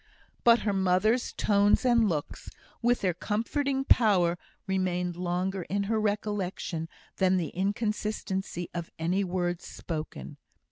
But her mother's tones and looks, with their comforting power, remained longer in her recollection than the inconsistency of any words spoken.